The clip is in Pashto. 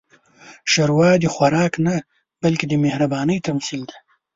ښوروا د خوراک نه، بلکې د مهربانۍ تمثیل دی.